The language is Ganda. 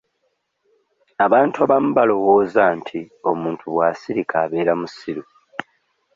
Abantu abamu balowooza nti omuntu bw'asirika abeera musiru.